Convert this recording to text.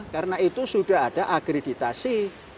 karena itu sudah ada agreditasi